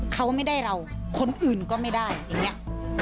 เขาไม่ได้เราคนอื่นก็ไม่ได้อย่างนี้